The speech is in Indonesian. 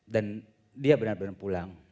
dan dia benar benar pulang